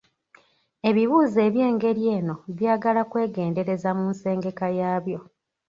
Ebibuuzo ebyengeri eno byagala kwegendereza mu nsengeka yaabyo.